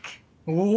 お。